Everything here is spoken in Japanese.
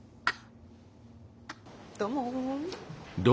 どうも。